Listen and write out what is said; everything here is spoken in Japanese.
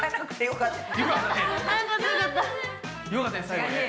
よかったね